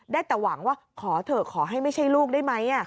ได้แต่หวังว่าขอเถอะขอให้ไม่ใช่ลูกได้ไหม